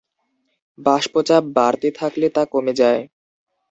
বাষ্প চাপ বাড়তে থাকলে তা কমে যায়।